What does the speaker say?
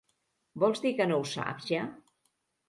Vols dir que no ho sap, ja?